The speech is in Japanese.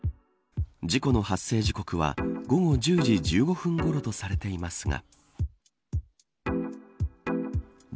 事故の発生時刻は午後１０時１５分ごろとされていますが。